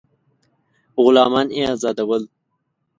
غلامان یې آزادول.